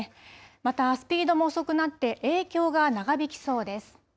また、スピードも遅くなって、影響が長引きそうです。